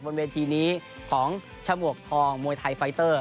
วันแรกบนเวนทีนี้ของชะบวกทองมวยไทยไฟเตอร์